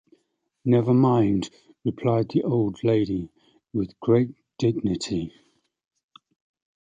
‘Never mind,’ replied the old lady, with great dignity.